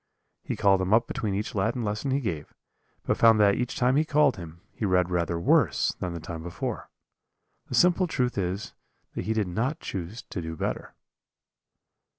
He called him up between each Latin lesson he gave, but found that each time he called him, he read rather worse than the time before. The simple truth is that he did not choose to do better.